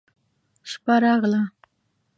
شپه راغله.